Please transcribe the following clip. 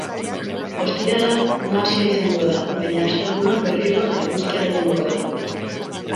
Ostirala nahasia izango da, baina asteburuan, berriro, eguzkia gailenduko da.